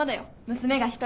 娘が１人。